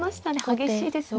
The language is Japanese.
激しいですね。